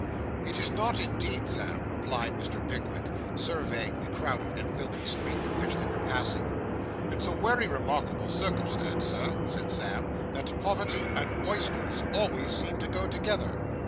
'It is not indeed, Sam,' replied Mr. Pickwick, surveying the crowded and filthy street through which they were passing. 'It's a wery remarkable circumstance, Sir,' said Sam, 'that poverty and oysters always seem to go together.